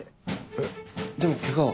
えっでもケガは？